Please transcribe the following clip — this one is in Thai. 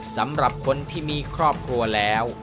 สำหรับคนที่มีครอบครัวแล้ว